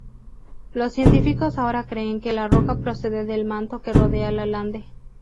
Los científicos ahora creen que la roca procede del manto que rodea Lalande.